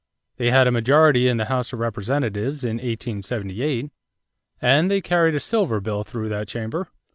They had a majority in the House of Representatives in 1878 and they carried a silver bill through that chamber.